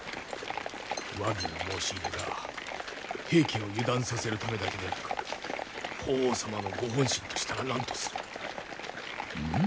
和議の申し入れが平家を油断させるためだけでなく法皇様のご本心としたら何とする？